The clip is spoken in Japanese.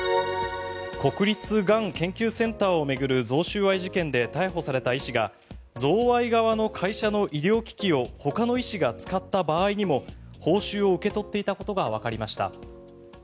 国立がん研究センターを巡る贈収賄事件で逮捕された医師が贈賄側の会社の医療機器をほかの医師が使った場合にも報酬を受け取っていたことがわかりました。